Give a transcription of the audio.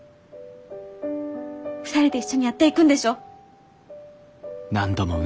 ２人で一緒にやっていくんでしょ？